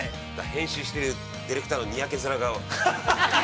編集してる、ディレクターのにやけ面が。